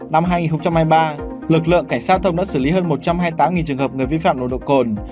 năm hai nghìn hai mươi ba lực lượng cảnh sát giao thông đã xử lý hơn một trăm hai mươi tám trường hợp người vi phạm nồng độ cồn